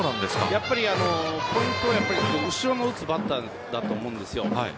やっぱりポイントは後ろを打つバッターだと思うんですよ。